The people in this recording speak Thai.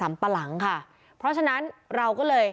แม่น้องชมพู่แม่น้องชมพู่